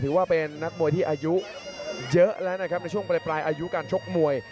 ถือว่าเป็นนักมวยที่อายุเยอะแล้วนะครับในช่วงปลายอายุการชกมวย